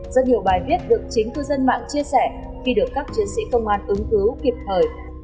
rất nhiều bài viết được chính cư dân mạng chia sẻ khi được các chiến sĩ công an ứng cứu kịp thời